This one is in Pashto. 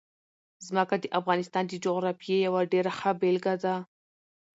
ځمکه د افغانستان د جغرافیې یوه ډېره ښه بېلګه ده.